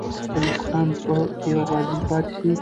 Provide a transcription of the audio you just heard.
ایوب خان به یو غازی پاتې سي.